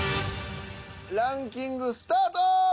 ランキングスタート！